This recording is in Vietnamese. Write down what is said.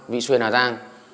với mệnh giá năm trăm linh đồng